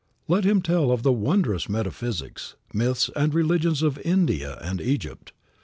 Let him tell of the wondrous metaphysics, myths and religions of India and Egypt.